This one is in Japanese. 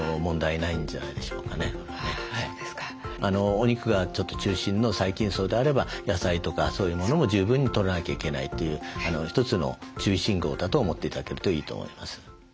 お肉がちょっと中心の細菌叢であれば野菜とかそういうものも十分にとらなきゃいけないという一つの注意信号だと思って頂けるといいと思います。